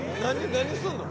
何すんの？